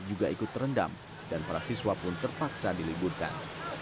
juga ikut terendam dan para siswa pun terpaksa diliburkan